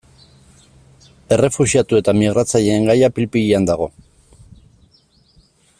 Errefuxiatu eta migratzaileen gaia pil-pilean dago.